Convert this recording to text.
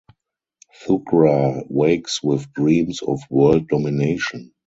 Thugra wakes with dreams of world domination.